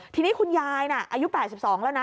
ทีนี้คุณยายน่ะอายุ๘๒แล้วนะ